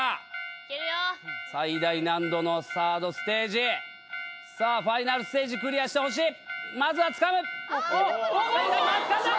いけるよ最大難度のサードステージさあファイナルステージクリアしてほしいまずは掴む掴んだ！